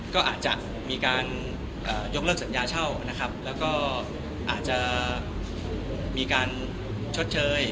ก็อาจจะมีการยกเลิกสัญญาเช่านะครับแล้วก็อาจจะมีการชดเชย